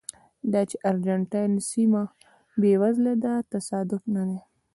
دا چې ارجنټاین سیمه بېوزله ده تصادف نه دی.